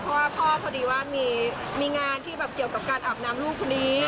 เพราะว่าพ่อพอดีว่ามีงานที่แบบเกี่ยวกับการอาบน้ำลูกคนนี้